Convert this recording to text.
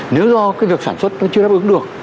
nếu do cái việc sản xuất nó chưa đáp ứng được